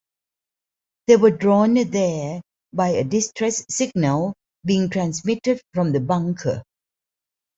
They were drawn there by a distress signal being transmitted from the bunker.